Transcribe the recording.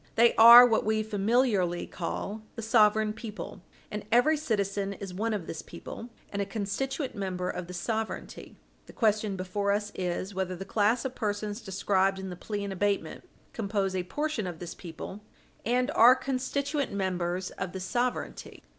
They are what we familiarly call the "sovereign people," and every citizen is one of this people, and a constituent member of this sovereignty. The question before us is whether the class of persons described in the plea in abatement compose a portion of this people, and are constituent members of this sovereignty?